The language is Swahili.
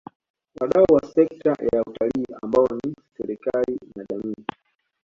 Wadau wa sekta ya Utalii ambao ni serikali na jamii